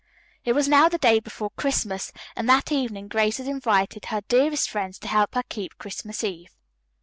It was now the day before Christmas, and that evening Grace had invited her dearest friends to help her keep Christmas Eve.